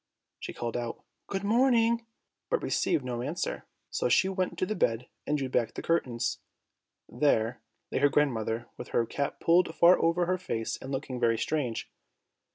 She called out, "Good morning," but received no answer; so she went to the bed and drew back the curtains. There lay her grandmother with her cap pulled far over her face, and looking very strange.